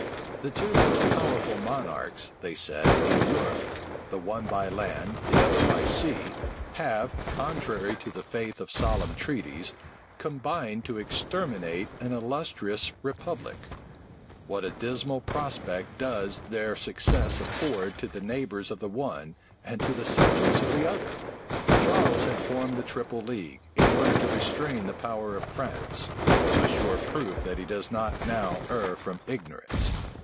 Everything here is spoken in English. The two most powerful monarchs, they said, in Europe, the one by land, the other by sea, have, contrary to the faith of solemn treaties, combined to exterminate an illustrious republic: what a dismal prospect does their success afford to the neighbors of the one, and to the subjects of the other? Charles had formed the triple league, in order to restrain the power of France; a sure proof that he does not now err from ignorance.